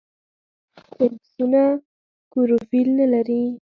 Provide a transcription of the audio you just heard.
فنګسونه کلوروفیل نه لري.